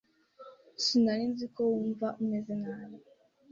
Sinari nzi ko wumva umeze nabi.